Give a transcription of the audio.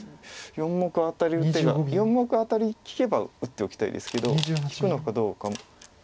４目アタリの手が４目アタリ利けば打っておきたいですけど利くのかどうか。